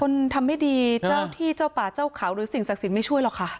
ทำไม่ดีเจ้าที่เจ้าป่าเจ้าเขาหรือสิ่งศักดิ์สิทธิ์ไม่ช่วยหรอกค่ะ